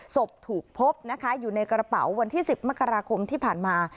ศพถูกพบนะคะอยู่ในกระเป๋าวันที่๑๐มกราคมที่ผ่านมา